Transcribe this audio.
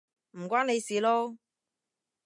唔關你事囉